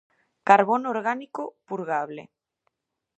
Carbono orgánico purgable.